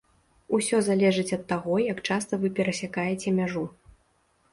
Усё залежыць ад таго, як часта вы перасякаеце мяжу.